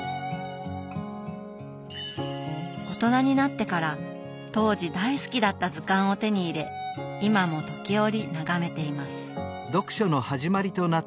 大人になってから当時大好きだった図鑑を手に入れ今も時折眺めています。